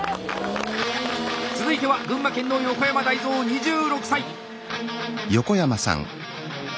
続いては群馬県の横山大蔵２６歳。